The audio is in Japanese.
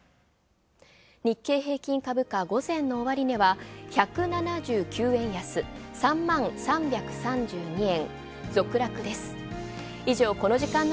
日経平均、ごぜんの終値は１７９円安、３万３３２円。